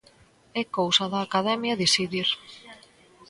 É cousa da Academia decidir.